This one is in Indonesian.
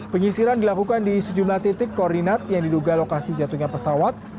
penyisiran dilakukan di sejumlah titik koordinat yang diduga lokasi jatuhnya pesawat